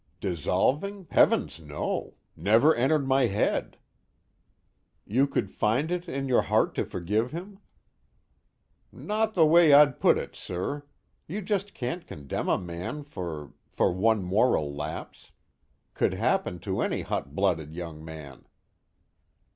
"Dissolving heavens no! Never entered my head." "You could find it in your heart to forgive him?" "Not the way I'd put it, sir. You just can't condemn a man for for one moral lapse. Could happen to any hotblooded young man."